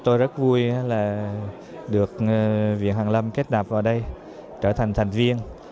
tôi rất vui vì được viện hàn lâm kết nạp vào đây trở thành thành viên